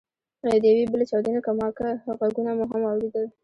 د یوې بلې چاودنې کمواکه ږغونه مو هم واورېدل.